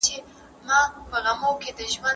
له افتخاراتو ناخبري لویه بدبختي ده